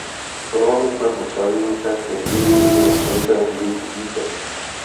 Prolomit kletbu čarodějnice je jejich jediná šance mít dítě.